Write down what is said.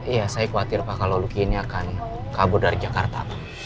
iya saya khawatir pak kalau luki ini akan kabur dari jakarta